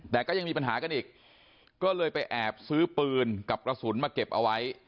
แต่ก็ยังมีปัญหากันอีกก็เลยไปแอบซื้อปืนกับกระสุนมาเก็บเอาไว้